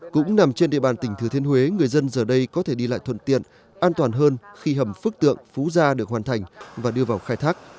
cũng nằm trên địa bàn tỉnh thừa thiên huế người dân giờ đây có thể đi lại thuận tiện an toàn hơn khi hầm phước tượng phú gia được hoàn thành và đưa vào khai thác